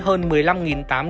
hơn một mươi năm năm